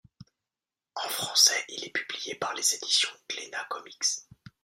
En français, il est publié par les éditions Glénat Comics.